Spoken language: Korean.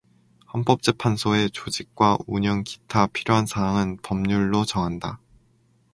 헌법재판소의 조직과 운영 기타 필요한 사항은 법률로 정한다.